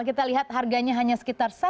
kita lihat harganya hanya sekitar